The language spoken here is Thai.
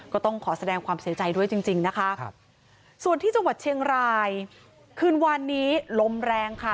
ก็ต้องขอแสดงความเสียใจด้วยจริงจริงนะคะส่วนที่จังหวัดเชียงรายคืนวันนี้ลมแรงค่ะ